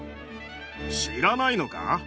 知らないのか？